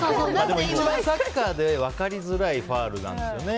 一番サッカーで分かりづらいファウルなんですよね。